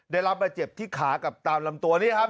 ได้รับบาดเจ็บที่ขากับตามลำตัวนี่ครับ